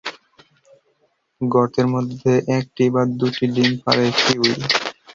গর্তের মধ্যে একটি বা দুটি ডিম পাড়ে কিউই।